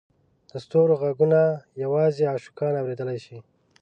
د ستورو ږغونه یوازې عاشقان اورېدلای شي.